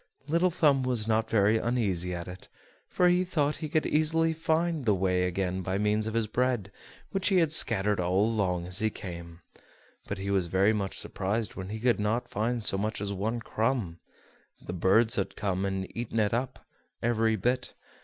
Little Thumb was not very uneasy at it, for he thought he could easily find the way again by means of his bread, which he had scattered all along as he came; but he was very much surprised when he could not find so much as one crumb; the birds had come and had eaten it up, every bit.